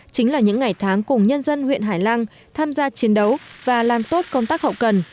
chính là những ngày tháng cùng nhân dân huyện hải lăng tham gia chiến đấu và làm tốt công tác hậu cần